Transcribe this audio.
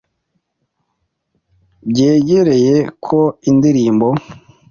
byegeregeye ko indirimbo